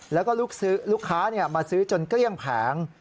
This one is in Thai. แล้วก็ลูกค้ามาซื้อจนเกลี้ยงแผง